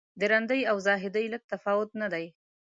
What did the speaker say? د رندۍ او زاهدۍ لږ تفاوت نه دی.